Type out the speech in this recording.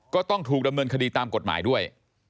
ก็ต้องถูกดำเนินคดีตามกฎหมายด้วย